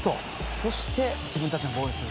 そして自分たちのボールにする。